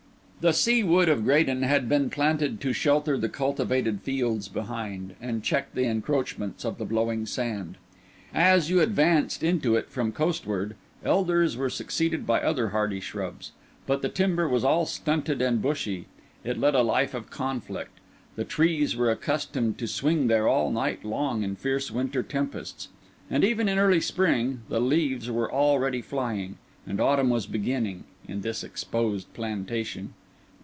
The Sea Wood of Graden had been planted to shelter the cultivated fields behind, and check the encroachments of the blowing sand. As you advanced into it from coastward, elders were succeeded by other hardy shrubs; but the timber was all stunted and bushy; it led a life of conflict; the trees were accustomed to swing there all night long in fierce winter tempests; and even in early spring, the leaves were already flying, and autumn was beginning, in this exposed plantation.